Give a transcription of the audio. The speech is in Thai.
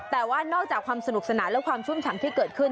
แต่ว่านอกจากความสนุกสนานและความชุ่มฉ่ำที่เกิดขึ้น